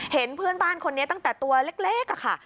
เห็นเพื่อนบ้านคนนี้ตั้งแต่ตัวเล็กค่ะ